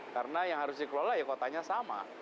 karena yang harus dikelola ya kotanya sama